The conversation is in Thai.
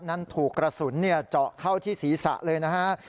นั้นถูกกระสุนเจาะเข้าที่ศีรษะเลยนะฮะ